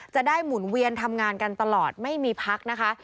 หมุนเวียนทำงานกันตลอดไม่มีพักนะคะ